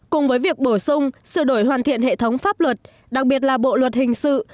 cùng với việc bổ sung sửa đổi hoàn thiện hệ thống pháp luật đặc biệt là bộ luật hình sự